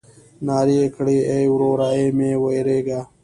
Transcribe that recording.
نارې يې کړې ای وروره ای مه وېرېږه.